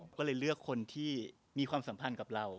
ก็เลยเลือกคนที่มีความสัมพันธ์กับเรา